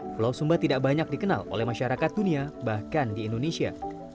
pulau sumba tidak banyak dikenal oleh masyarakat dunia bahkan di indonesia